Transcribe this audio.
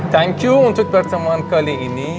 thank you untuk pertemuan kali ini